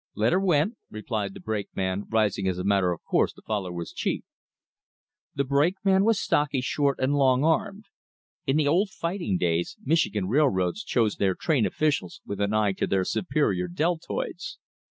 "Let her went," replied the brakeman, rising as a matter of course to follow his chief. The brakeman was stocky, short, and long armed. In the old fighting days Michigan railroads chose their train officials with an eye to their superior deltoids.